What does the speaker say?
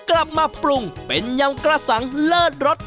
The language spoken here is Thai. กลับมาปรุงเป็นยำกระสังเลิศรส